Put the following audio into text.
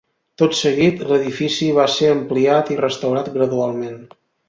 Tot seguit, l'edifici va ser ampliat i restaurat gradualment.